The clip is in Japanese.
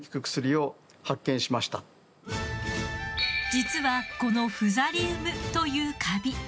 実はこのフザリウムというカビ。